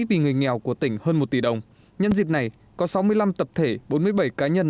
vì người nghèo của tỉnh hơn một tỷ đồng nhân dịp này có sáu mươi năm tập thể bốn mươi bảy cá nhân